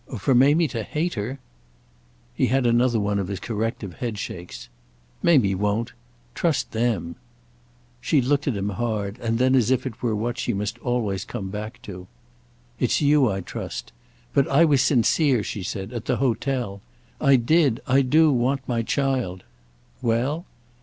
"For Mamie to hate her?" He had another of his corrective headshakes. "Mamie won't. Trust them." She looked at him hard, and then as if it were what she must always come back to: "It's you I trust. But I was sincere," she said, "at the hotel. I did, I do, want my child—" "Well?"